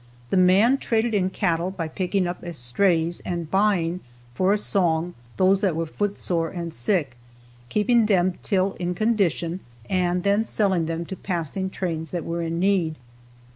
The man traded in cattle by picking up estrays and buying, for a song, those that were footsore and sick, keeping them till in condition and then selling them to passing trains that were in need.